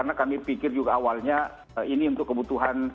karena kami pikir juga awalnya ini untuk kebutuhan